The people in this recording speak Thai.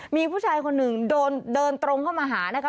มีผู้ชายคนหนึ่งเดินตรงเข้ามาหานะคะ